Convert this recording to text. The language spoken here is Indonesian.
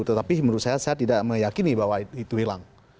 tetapi menurut saya saya tidak meyakini bahwa itu hilang